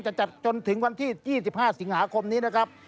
จะจัดจนถึงวันที่๒๕สิงหาคมนี้นะครับ